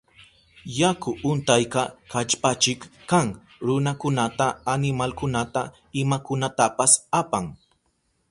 Yaku untayka kallpachik kan, runakunata, animalkunata, imakunatapas apan.